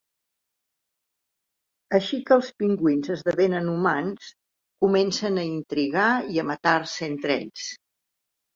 Així que els pingüins esdevenen humans, comencen a intrigar i a matar-se entre ells.